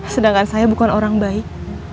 sedangkan saya bukan orang baik